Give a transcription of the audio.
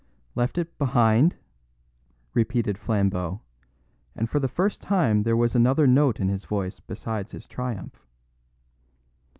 "Left it behind?" repeated Flambeau, and for the first time there was another note in his voice beside his triumph.